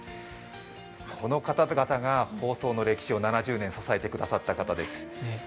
この方々が放送の歴史を７０年、支えてくださった方です。